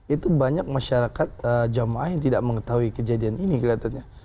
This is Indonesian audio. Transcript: itu banyak masyarakat jamaah yang tidak mengetahui kejadian ini kelihatannya